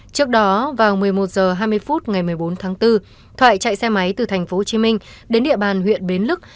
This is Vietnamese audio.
trước đó vào một mươi một h hai mươi phút ngày một mươi bốn tháng bốn thoại chạy xe máy từ tp hcm đến địa bàn huyện bến lức